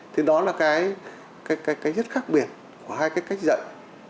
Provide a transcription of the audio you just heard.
thì đó là cái rất khác biệt của hai cái cách dạy